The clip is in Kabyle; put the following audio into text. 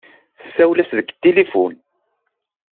Tessawel-as deg tilifun.